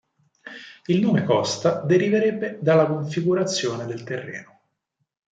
Il nome Costa deriverebbe dalla configurazione del terreno.